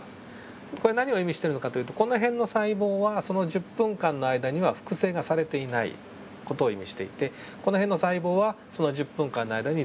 これは何を意味しているのかというとこの辺の細胞はその１０分間には複製がされていない事を意味していてこの辺の細胞はその１０分間の間にＤＮＡが複製されている様子が分かる。